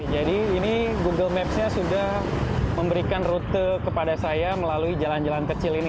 jadi ini google maps nya sudah memberikan rute kepada saya melalui jalan jalan kecil ini